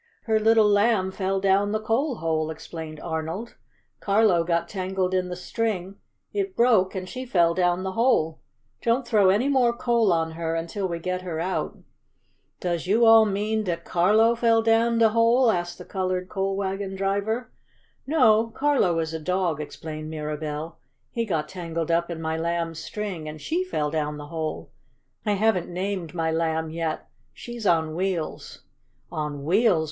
"Her little Lamb fell down the coal hole," explained Arnold. "Carlo got tangled in the string, it broke and she fell down the hole. Don't throw any more coal on her until we get her out." "Does you all mean dat Carlo fell down de hole?" asked the colored coal wagon driver. "No, Carlo is a dog," explained Mirabell. "He got tangled up in my Lamb's string, and she fell down the hole. I haven't named my Lamb yet. She's on wheels." "On wheels?"